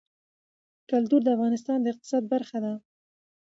کلتور د افغانستان د اقتصاد برخه ده.